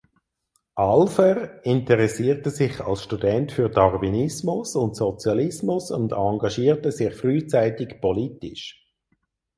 Alver interessierte sich als Student für Darwinismus und Sozialismus und engagierte sich frühzeitig politisch.